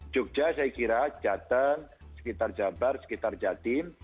jogja saya kira jateng sekitar jabar sekitar jatim